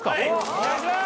お願いします